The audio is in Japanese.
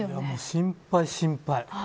心配、心配。